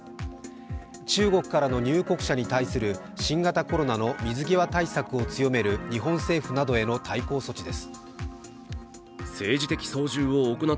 中国からの入国者に対する新型コロナの水際対策を強める日本政府などへの対抗措置です。